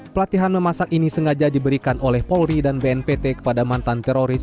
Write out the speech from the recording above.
pelatihan memasak ini sengaja diberikan oleh polri dan bnpt kepada mantan teroris